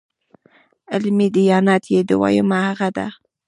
علمي دیانت یې دویمه هغه ده.